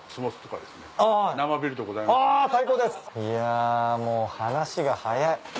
いやもう話が早い。